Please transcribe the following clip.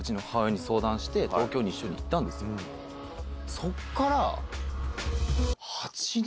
そっから。